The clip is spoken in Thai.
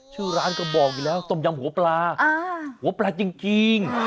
ชื่อร้านก็บอกต้มยำหัวปลาจริง